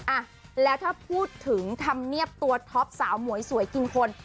อ่ะแล้วถ้าพูดถึงธรรมเนียบตัวท็อปสาวหมวยสวยกินคน